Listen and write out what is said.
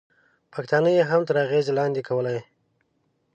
پښتانه یې هم تر اغېزې لاندې کولای.